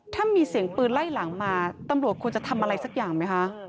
ถ้ามีเสียงปืนไล่หลังมาตำรวจควรจะทำอะไรสักอย่างไหมคะ